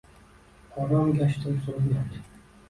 Orom gashtin surib yot.